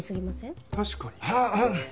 確かに。